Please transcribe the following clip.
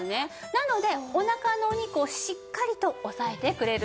なのでおなかのお肉をしっかりとおさえてくれるんです。